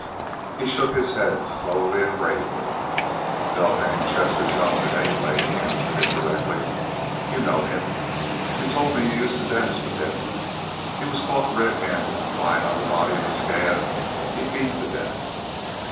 He shook his head slowly and gravely. "They'll hang Chester Johnson, anyway," he answered indirectly. "You know him. You told me you used to dance with him. He was caught red handed, lyin' on the body of a scab he beat to death.